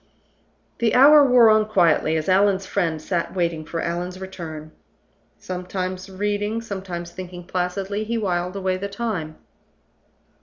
The hour wore on quietly as Allan's friend sat waiting for Allan's return. Sometimes reading, sometimes thinking placidly, he whiled away the time.